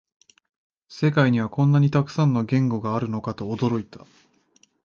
世界にはこんなにたくさんの言語があるのかと驚いた